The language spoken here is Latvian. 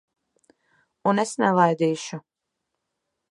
Un es nelaidīšu.